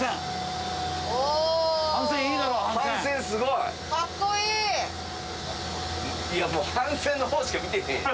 いやもう帆船の方しか見てへん。